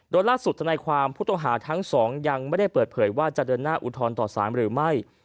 โดยล่าสุดธนายความผู้ต้องหาทั้งสองยังไม่ได้เปิดเผยว่าจะเดินหน้าอุทธรณ์ต่อสารหรือไม่